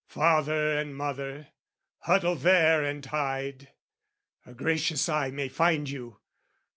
Father and mother, huddle there and hide! A gracious eye may find you!